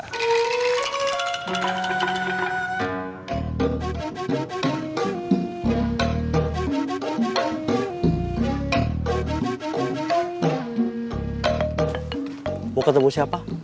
kamu mau ketemu siapa